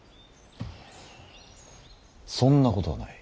そんなことはない。